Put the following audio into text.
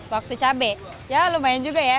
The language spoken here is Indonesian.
waktu cabai ya lumayan juga ya